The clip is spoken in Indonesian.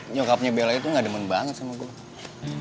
nyokapnya bela itu gak demen banget sama gue